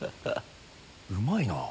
うまいなぁ。